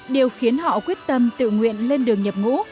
điều khiến họ quyết tâm tự nguyện lên đường nhập ngũ